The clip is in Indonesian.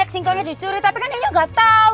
tjingkong jadi curie tapi enggak tahu